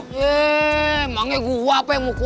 yee emangnya gua apa yang mukul